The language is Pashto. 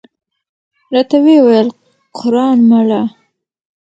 راته وې ویل: قران مله!